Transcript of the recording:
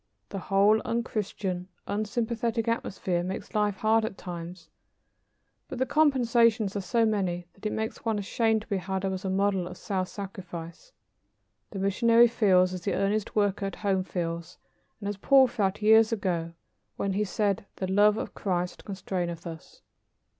The whole unchristian, unsympathetic atmosphere makes life hard at times, but the compensations are so many that it makes one ashamed to be held up as a model of self sacrifice. The missionary feels, as the earnest worker at home feels, and as Paul felt years ago, when he said, "The love of Christ constraineth us."